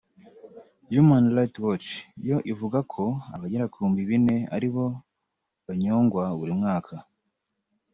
Human Rights Watch yo ivuga ko abagera ku bihumbi bine ari bo banyongwa buri mwaka